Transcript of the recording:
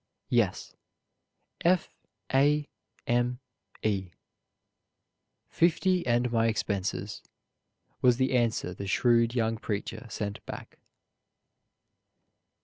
"Yes, F. A. M. E. Fifty and my expenses," was the answer the shrewd young preacher sent back.